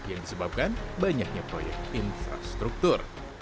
yang disebabkan banyaknya proyek infrastruktur